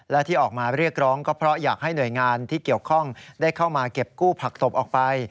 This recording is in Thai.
และที่ออกมาเรียกร้องก็เพราะอยากให้หน่วยงานที่เกี่ยวข้องได้เข้ามาเก็บกู้ผักตบออกไป